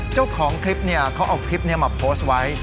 เจ้าของคลิปเนี่ยเขาเอาคลิปเนี่ยมาโพสไว้